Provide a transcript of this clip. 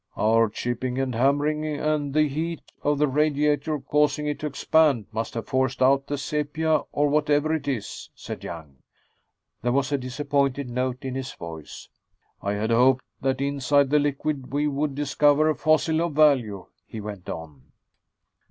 "Our chipping and hammering and the heat of the radiator causing it to expand must have forced out the sepia, or whatever it is," said Young. There was a disappointed note in his voice "I had hoped that inside the liquid we would discover a fossil of value," he went on.